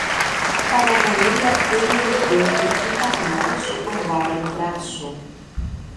Para janeiro a cana no canto e para março a vara no braço.